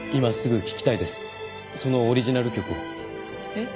えっ？